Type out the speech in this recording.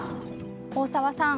大沢さん